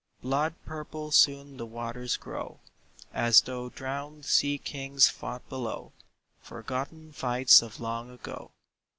Blood purple soon the waters grow, As though drowned sea kings fought below Forgotten fights of long ago.